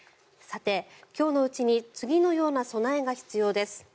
さて、今日のうちに次のような備えが必要です。